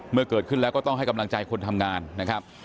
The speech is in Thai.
เมื่อเกิดขึ้นแล้วก็ต้องให้กำลังใจคนทำงานนะครับ